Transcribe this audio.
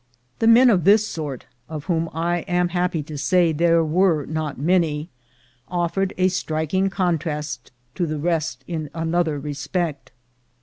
The men of this sort, of whom I am happy to say there were not many, offered a striking contrast to the rest in another respect.